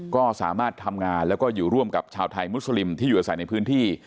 ก็สามารถทำงานแล้วก็อยู่ร่วมกับชาวไทยมุสลิมที่อยู่อาศัยในพื้นที่